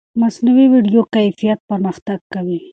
مصنوعي ویډیو کیفیت پرمختګ کوي.